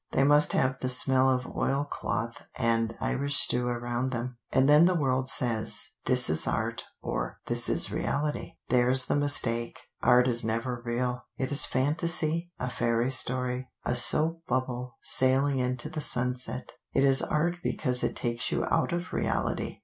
They must have the smell of oilcloth and Irish stew around them, and then the world says, 'This is art' or 'This is reality.' There's the mistake! Art is never real: it is fantasy, a fairy story, a soap bubble sailing into the sunset. It is Art because it takes you out of reality.